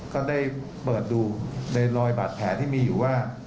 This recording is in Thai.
ก็ได้เปิดดูในรอยบาดแผลที่มีอยู่ว่า